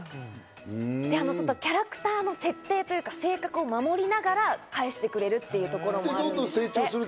キャラクターの設定というか、性格を守りながら返してくれるというところもあるんですって。